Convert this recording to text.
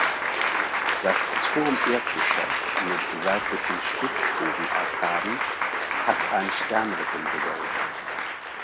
Das Turmerdgeschoß mit seitlichen Spitzbogenarkaden hat ein Sternrippengewölbe.